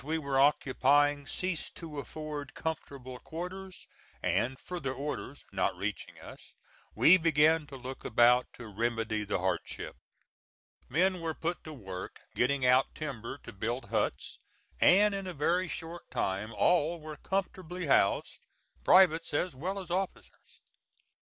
We were occupying ceased to afford comfortable quarters; and "further orders" not reaching us, we began to look about to remedy the hardship. Men were put to work getting out timber to build huts, and in a very short time all were comfortably housed privates as well as officers.